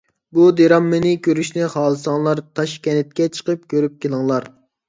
بۇ دىرامىنى كۆرۈشنى خالىساڭلار، تاشكەنتكە چىقىپ كۆرۈپ كېلىڭلار.